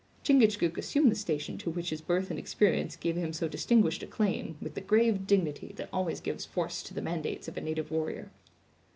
Chingachgook assumed the station to which his birth and experience gave him so distinguished a claim, with the grave dignity that always gives force to the mandates of a native warrior.